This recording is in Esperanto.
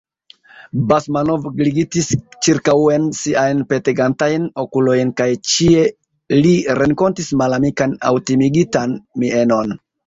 Basmanov glitigis ĉirkaŭen siajn petegantajn okulojn kaj ĉie li renkontis malamikan aŭ timigitan mienon.